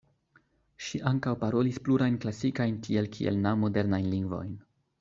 Ŝi ankaŭ parolis plurajn klasikajn tiel kiel naŭ modernajn lingvojn.